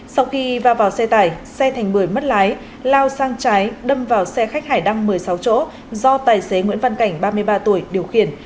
sau khi vào vào xe tải xe thành bưởi mất lái lao sang trái đâm vào xe khách hải đăng một mươi sáu chỗ do tài xế nguyễn văn cảnh ba mươi ba tuổi điều khiển